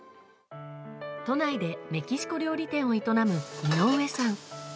都内でメキシコ料理店を営む井上さん。